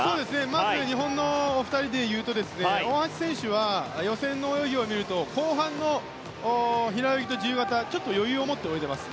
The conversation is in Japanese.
まず日本のお二人で言うと大橋選手は予選の泳ぎを見ると後半の平泳ぎと自由形ちょっと余裕を持って泳いでいます。